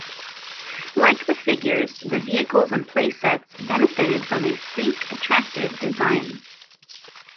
Like the figures, the vehicles and playsets benefited from a sleek, attractive design.